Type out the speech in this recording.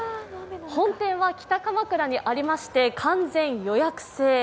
本店は北鎌倉にありまして完全予約制。